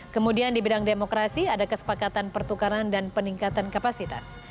kemudian di bidang demokrasi ada kesepakatan pertukaran dan peningkatan kapasitas